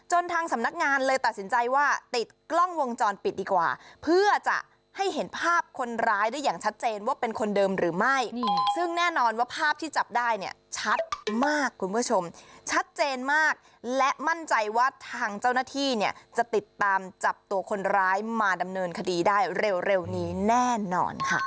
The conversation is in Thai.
ให้เห็นภาพคนร้ายได้อย่างชัดเจนว่าเป็นคนเดิมหรือไม่ซึ่งแน่นอนว่าภาพที่จับได้เนี่ยชัดมากคุณผู้ชมชัดเจนมากและมั่นใจว่าทางเจ้าหน้าที่เนี่ยจะติดตามจับตัวคนร้ายมาดำเนินคดีได้เร็วนี้แน่นอนค่ะ